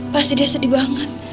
pasti dia sedih banget